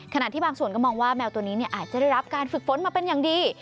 ขณะที่บางส่วนก็มองว่าแมวตัวนี้อาจจะได้รับการฝึกฝนมาเป็นอย่างดี